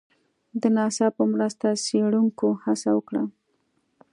د ناسا په مرسته څېړنکو هڅه وکړه